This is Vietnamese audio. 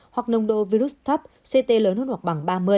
hoặc nồng độ virus thấp ct lớn hơn hoặc bằng ba mươi